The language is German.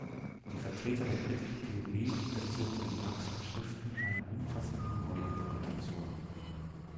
Die Vertreter der Kritischen Theorie unterzogen die Marx’schen Schriften einer umfassenden Neuinterpretation.